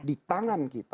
di tangan kita